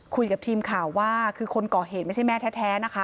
คุยกับทีมข่าวว่าคือคนก่อเหตุไม่ใช่แม่แท้นะคะ